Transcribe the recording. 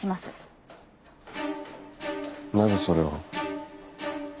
なぜそれを。